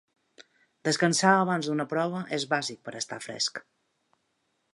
Descansar abans d’una prova és bàsic per a estar fresc.